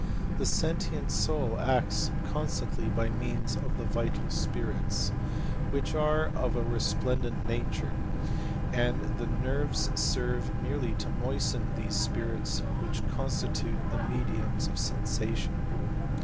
The sentient soul acts constantly by means of the vital spirits^ which are of a resplendent nature, and the nerves serwe merely to moisten these spirits which constitute the mediums of sensation.